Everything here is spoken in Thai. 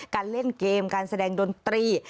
การเล่นเกมการแสดงดนตรี